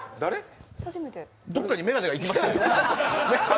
どっかに眼鏡がいきました。